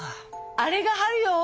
あれが春よ。